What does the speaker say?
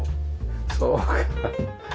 そうか。